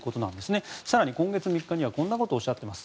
更に今月３日にはこんなことをおっしゃっています。